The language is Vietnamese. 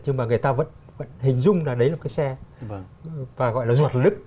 nhưng mà người ta vẫn hình dung là đấy là một cái xe và gọi là ruột lứt